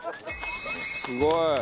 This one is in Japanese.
すごい。